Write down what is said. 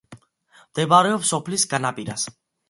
მდებარეობს სოფლის განაპირას.